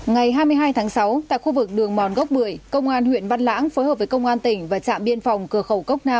ngày hai mươi hai tháng sáu tại khu vực đường mòn gốc bưởi công an huyện văn lãng phối hợp với công an tỉnh và trạm biên phòng cửa khẩu cốc nam